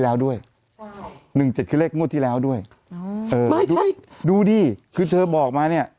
แล้วด้วย๑๗คือเมื่อที่แล้วด้วยดูดิคือเธอบอกมาเนี่ย